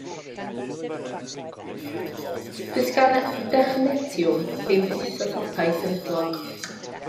Does gan dechnetiwm ddim isotopau sefydlog.